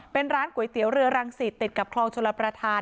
เป็นร้านก๋วยเตี๋ยวเรือรังสิตติดกับคลองชลประธาน